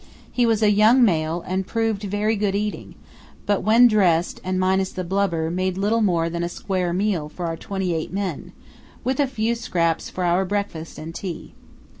He was a young male and proved very good eating, but when dressed and minus the blubber made little more than a square meal for our twenty eight men, with a few scraps for our breakfast and tea.